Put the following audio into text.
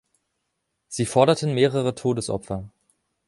Sie forderten mehrere Todesopfer.